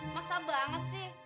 masa banget sih